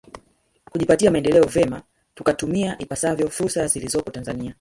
Kujipatia maendeleo vyema tukatumia ipasavyo fursa zilizopo Tanzania